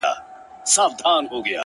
سیاه پوسي ده _ قندهار نه دی _